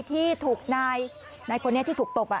ที่ถูกนายนายคนเนี้ยที่ถูกตบอ่ะ